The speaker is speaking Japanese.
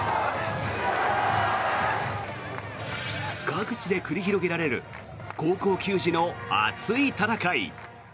各地で繰り広げられる高校球児の熱い戦い。